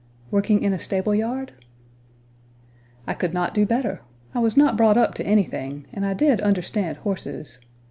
"Working in a stable yard?" "I could not do better. I was not brought up to anything, and I did understand horses.